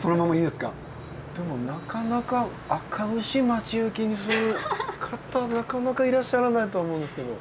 でもなかなかあかうし待ち受けにする方なかなかいらっしゃらないと思うんですけど。